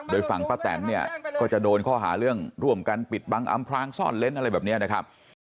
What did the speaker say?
โดยฝั่งป้าแตนเนี่ยก็จะโดนข้อหาเรื่องร่วมกันปิดบังอำพลางซ่อนเล้นอะไรแบบนี้นะครับ